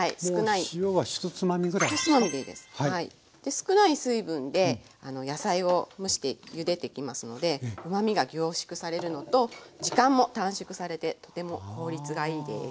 少ない水分で野菜を蒸してゆでていきますのでうまみが凝縮されるのと時間も短縮されてとても効率がいいです。